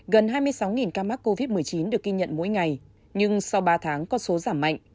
gần hai mươi sáu ca mắc covid một mươi chín được ghi nhận mỗi ngày nhưng sau ba tháng con số giảm mạnh